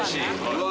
うわ！